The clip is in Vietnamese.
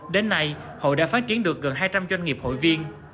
đến nay hội đã phát triển được gần hai trăm linh doanh nghiệp hội viên